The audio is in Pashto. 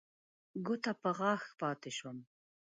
ګوته په غاښ پاتې شوم.